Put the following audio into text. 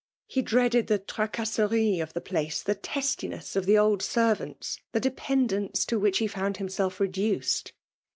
He dreaded the fracOMerie* o£'tfae^|da<i^ ^thd testiness of the old servants —the dependence to which he found himself rUaee^.